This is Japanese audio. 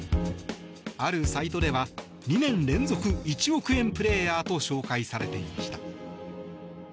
あるサイトでは２年連続１億円プレーヤーと紹介されていました。